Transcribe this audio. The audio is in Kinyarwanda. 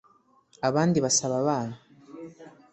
abandi basaba abana